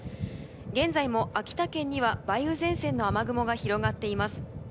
現在も秋田県には梅雨前線の雨雲が広がっています。